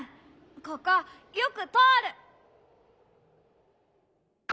ここよくとおる。